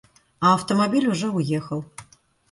А автомобиль уже уехал.